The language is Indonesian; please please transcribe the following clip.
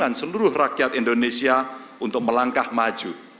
dan dukungan seluruh rakyat indonesia untuk melangkah maju